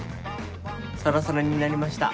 サラサラになりました。